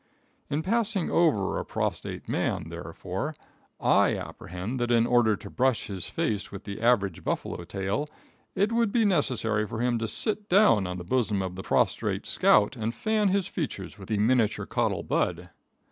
In passing over a prostrate man, therefore, I apprehend that in order to brush his face with the average buffalo tail, it would be necessary for him to sit down on the bosom of the prostrate scout and fan his features with the miniature caudal bud.